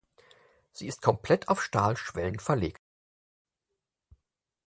Sie ist komplett auf Stahlschwellen verlegt.